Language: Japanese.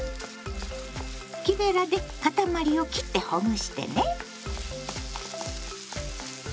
木べらでかたまりを切ってほぐしてね。